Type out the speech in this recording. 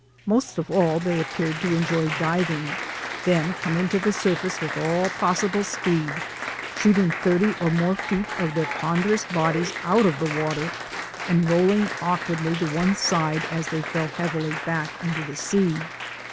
Most of all they appeared to enjoy diving, then coming to the surface with all possible speed, shooting thirty or more feet of their ponderous bodies out of the water, and rolling awkwardly to one side as they fell heavily back into the sea.